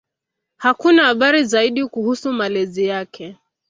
Hakuna habari zaidi kuhusu malezi yake.